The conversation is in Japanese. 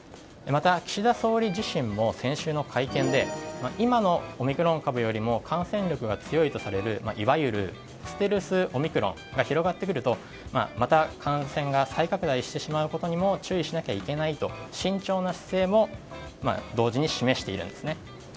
また岸田総理自身も先週の会見で今のオミクロン株よりも感染力が強いとされるいわゆるステルスオミクロンが広がってくるとまた感染が再拡大してしまうことにも注意しなければいけないと慎重な姿勢も同時に示しているんですね。